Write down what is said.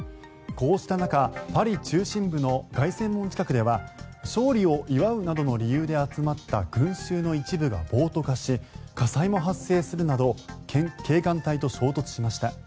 こうした中パリ中心部の凱旋門近くでは勝利を祝うなどの理由で集まった群衆の一部が暴徒化し火災も発生するなど警官隊と衝突しました。